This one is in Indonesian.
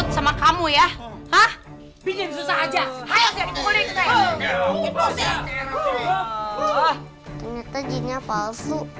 ternyata jinnya palsu